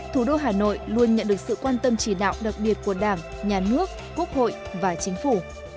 thủ đô hà nội luôn nhận được sự quan tâm chỉ đạo đặc biệt của đảng nhà nước quốc hội và chính phủ